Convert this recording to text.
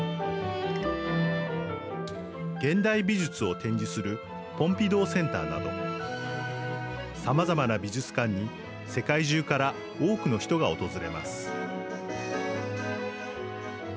現代美術を展示するポンピドー・センターなどさまざまな美術館に世界中から多くの人が訪れます。